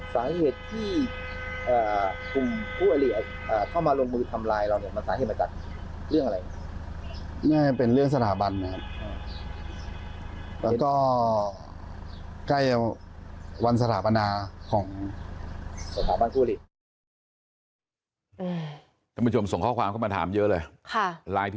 สาเหตุที่ทุ่มภูเวรีเข้ามาลงมือทำร้ายเรามันสาเหตุที่มากัดเรื่องอะไร